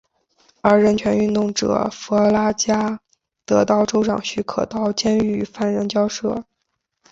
而人权运动者的弗拉加得到州长许可到监狱与犯人交涉。